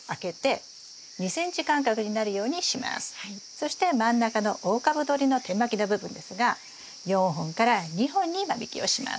そして真ん中の大株どりの点まきの部分ですが４本から２本に間引きをします。